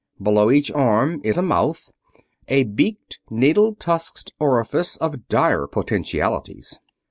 Below each arm is a mouth: a beaked, needle tusked orifice of dire potentialities.